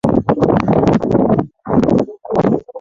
Bali zinasababisha madhara makubwa kwa jamii yao